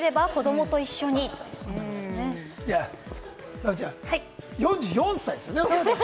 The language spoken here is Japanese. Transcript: ノラちゃん、４４歳ですよね？